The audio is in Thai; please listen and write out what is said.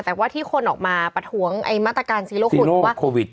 แต่ว่าที่คนออกมาประท้วงมาตรการซีโลโควิด